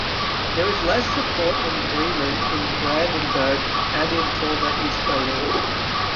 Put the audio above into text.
There is less support in Bremen, in Brandenburg, and in former East Berlin.